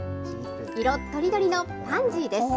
色とりどりのパンジーです。